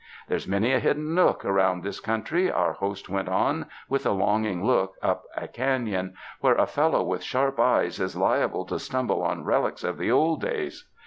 "There's many a hidden nook around this coun try," our host went on, with a longing look up a canon, "where a fellow with sharp eyes is liable to stumble on relics of the old days.